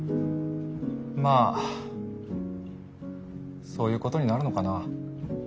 まあそういうことになるのかな。